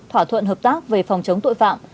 thỏa thuận hợp tác về phòng chống tội phạm